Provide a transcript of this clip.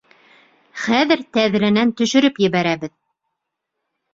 Хәҙер тәҙрәнән төшөрөп ебәрәбеҙ.